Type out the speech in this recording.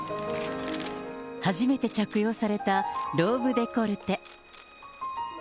初めて着用されたローブデコルテ。